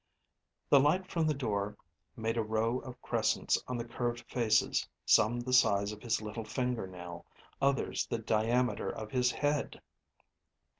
The light from the door made a row of crescents on the curved faces, some the size of his little finger nail, others the diameter of his head.